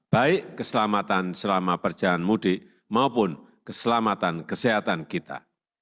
baik keselamatan selama perjalanan mudik maupun keselamatan kesehatan kita